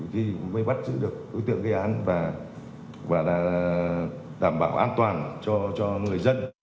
thì mới bắt giữ được đối tượng gây án và đảm bảo an toàn cho người dân